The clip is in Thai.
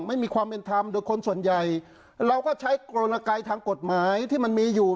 ไม่มีความเป็นธรรมโดยคนส่วนใหญ่เราก็ใช้กรณกายทางกฎหมายที่มันมีอยู่